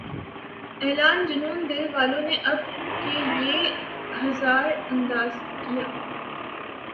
اعلان جنوں دل والوں نے اب کے بہ ہزار انداز کیا